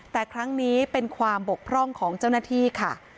แต่ครั้งนี้เป็นความบกพร่องของเจ้าหน้าที่ค่ะ